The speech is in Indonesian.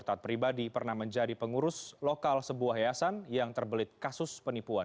taat pribadi pernah menjadi pengurus lokal sebuah yayasan yang terbelit kasus penipuan